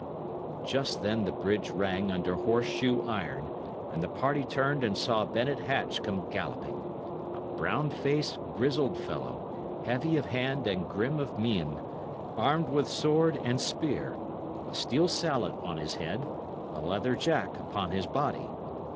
Just then the bridge rang under horse shoe iron, and the party turned and saw Bennet Hatch come galloping a brown faced, grizzled fellow, heavy of hand and grim of mien, armed with sword and spear, a steel salet on his head, a leather jack upon his body.